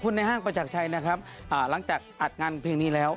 ล่างจากอัดงานเพลงนี้แล้ว